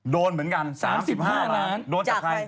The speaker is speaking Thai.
โดนเหมือนกัน๓๕ล้านโดนจากใคร๓๕ล้านจากใคร